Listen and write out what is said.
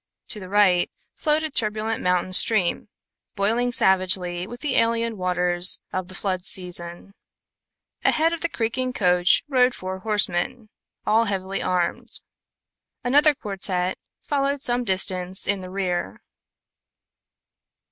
To the right flowed a turbulent mountain stream, boiling savagely with the alien waters of the flood season. Ahead of the creaking coach rode four horsemen, all heavily armed; another quartette followed some distance in the rear.